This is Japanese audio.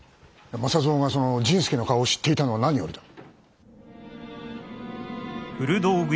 政蔵がその甚助の顔を知っていたのは何よりだ。